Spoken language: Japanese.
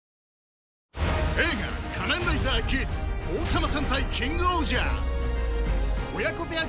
映画『仮面ライダーギーツ』『王様戦隊キングオージャー』